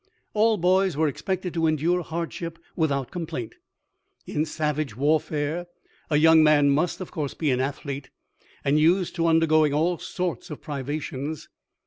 All boys were expected to endure hardship without complaint. In savage warfare, a young man must, of course, be an athlete and used to undergoing all sorts of privations.